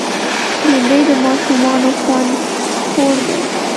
بېنډۍ د ماشومانو خوند خوړ دی